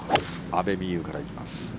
阿部未悠から行きます。